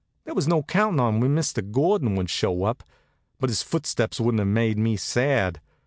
There was no counting on when Mr. Gordon would show up; but his footsteps wouldn't have made me sad.